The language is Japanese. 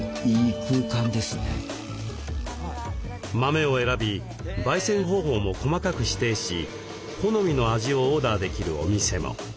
豆を選びばい煎方法も細かく指定し好みの味をオーダーできるお店も。